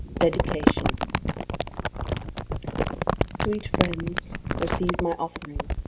] JB DEDICATION Sweet friends, receive my offering.